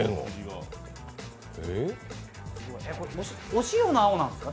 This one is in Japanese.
お塩の青なんですか？